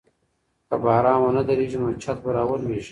که باران ونه دريږي نو چت به راولوېږي.